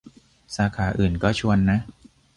สาขาอื่นก็ชวนนะ